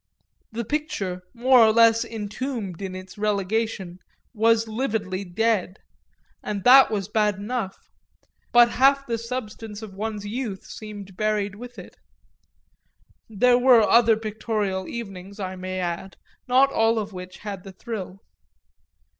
The picture, more or less entombed in its relegation, was lividly dead and that was bad enough. But half the substance of one's youth seemed buried with it. There were other pictorial evenings, I may add, not all of which had the thrill.